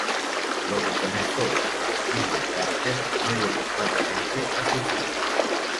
Lo que comenzó con la familia Carter, no llegó claramente a su fin.